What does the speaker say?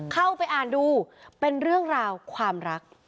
เข้าไปอ่านดูเป็นเรื่องราวความรัก